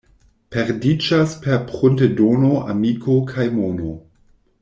Perdiĝas per pruntedono amiko kaj mono.